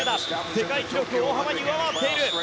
世界記録を大幅に上回っている。